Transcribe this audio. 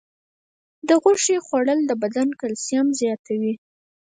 د غوښې خوړل د بدن کلسیم زیاتوي.